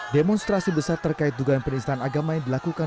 demonstrasi besar terkait dugaan penistaan agama yang dilakukan